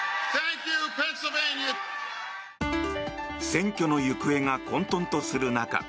選挙の行方が混とんとする中